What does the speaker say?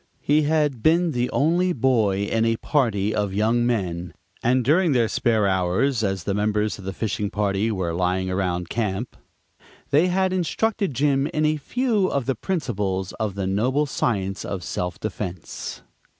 He had been the only boy in a party of young men, and during their spare hours, as the members of the fishing party were lying around camp, they had instructed Jim in a few of the first principles of the noble science of self defense.